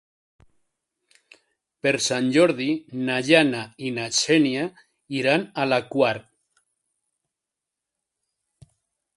Per Sant Jordi na Jana i na Xènia iran a la Quar.